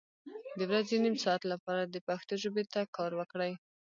د ورځې نیم ساعت لپاره د پښتو ژبې ته کار وکړئ